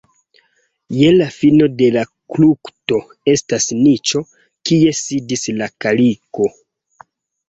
Je la fino de la frukto estas niĉo, kie sidis la kaliko.